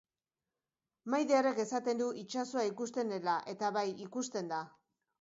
Maiderrek esaten du itsasoa ikusten dela, eta bai, ikusten da.